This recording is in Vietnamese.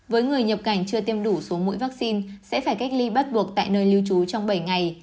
với người nhập cảnh chưa tiêm đủ số mũi vaccine sẽ phải cách ly bắt buộc tại nơi lưu trú trong bảy ngày